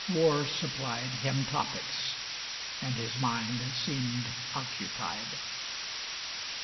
War supplied Him topics. And his mind seemed occupied.